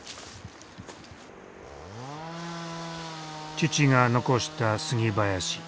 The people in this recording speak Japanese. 父が残した杉林。